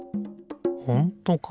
ほんとかな？